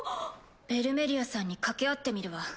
ベルメリアさんに掛け合ってみるわ。